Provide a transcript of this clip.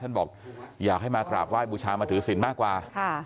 บอกอยากให้มากราบไหว้บูชามาถือศิลป์มากกว่า